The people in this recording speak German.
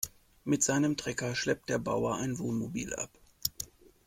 Mit seinem Trecker schleppt der Bauer ein Wohnmobil ab.